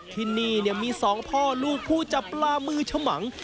ที่นี่มี๒พ่อลูกผู้จับปลามือฉมัง